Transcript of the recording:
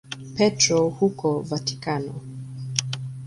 Petro huko Vatikano.